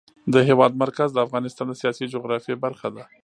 د هېواد مرکز د افغانستان د سیاسي جغرافیه برخه ده.